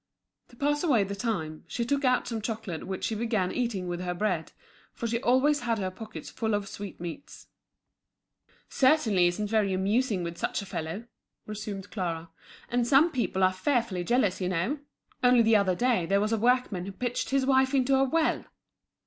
To pass away the time, she took out some chocolate which she began eating with her bread, for she always had her pockets full of sweetmeats. "Certainly it isn't very amusing with such a fellow," resumed Clara. "And some people are fearfully jealous, you know! Only the other day there was a workman who pitched his wife into a well."